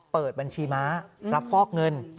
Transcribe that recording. เปิดบัญชีม้ารับฟอกเงิน